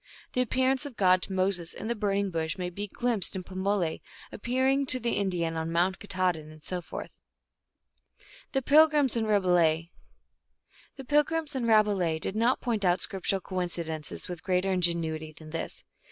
The ap pearance of God to Moses in the Burning Bush may be glimpsed in Pamole appearing to the Indian on Mount Katahdin, and so forth." The pilgrims in Rabelais did not point out scriptu ral coincidences with greater ingenuity than this.